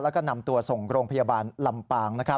แล้วก็นำตัวส่งโรงพยาบาลลำปาง